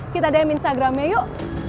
kita dm instagramnya yuk